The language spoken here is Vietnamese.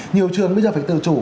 nhiều trường bây giờ phải tự chủ